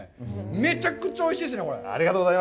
めちゃくちゃおいしいですね、これ。